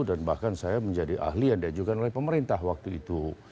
dan bahkan saya menjadi ahli yang diajukan oleh pemerintah waktu itu